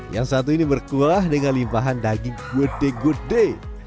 yang satu ini berkuah dengan limpahan daging gode gode